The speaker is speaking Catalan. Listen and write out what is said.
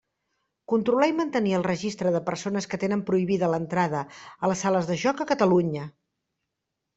Controlar i mantenir el Registre de persones que tenen prohibida l'entrada a les sales de joc a Catalunya.